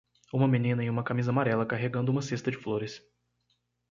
Uma menina em uma camisa amarela carregando uma cesta de flores.